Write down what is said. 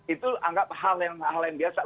itu anggap hal yang lain lain biasa